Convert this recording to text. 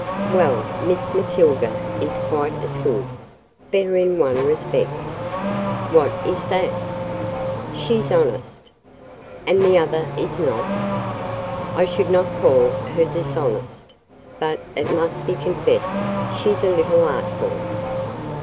"Well, Miss Matilda is quite as good—better in one respect." "What is that?" "She's honest." "And the other is not?" "I should not call her _dis_honest; but it must be confessed she's a little artful."